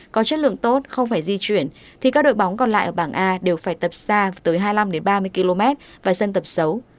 có chất lượng tốt không phải di chuyển thì các đội bóng còn lại ở bảng a đều phải tập xa tới hai mươi năm ba mươi km và dân tập xấu